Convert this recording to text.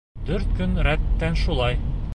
Дүрт көн рәттән шулай!